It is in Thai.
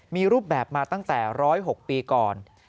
มีรูปแบบมาตั้งแต่๑๐๖ปีก่อน